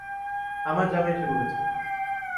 আমার জামাই এসে পড়েছে।